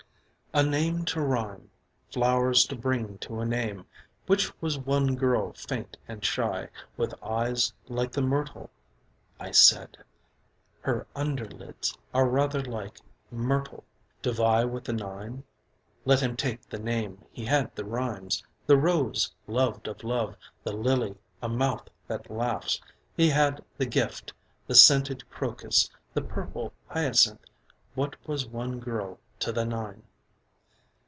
A name to rhyme, flowers to bring to a name, what was one girl faint and shy, with eyes like the myrtle (I said: "her underlids are rather like myrtle"), to vie with the nine? Let him take the name, he had the rhymes, "the rose, loved of love," "the lily, a mouth that laughs," he had the gift, "the scented crocus, the purple hyacinth," what was one girl to the nine?